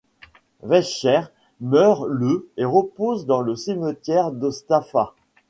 Wiechert meurt le et repose dans le cimetière de Stäfa.